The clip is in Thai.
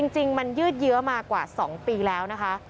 จริงมันยืดเยอะมากว่า๒ปีแล้วนะคะ